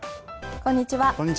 こんにちは。